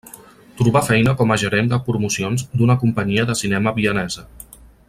Trobà feina com a gerent de promocions d'una companyia de cinema vienesa.